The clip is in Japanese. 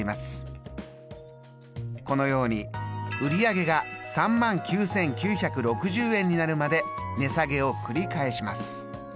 このように売り上げが３万９，９６０円になるまで値下げを繰り返します。